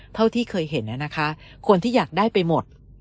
เท่าที่เคยเห็นนะคะคนที่อยากได้ไปหมด